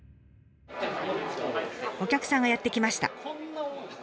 お客さんがやって来ました。